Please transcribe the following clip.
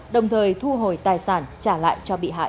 đồng thời thu hồi tài sản trả lại cho bị hại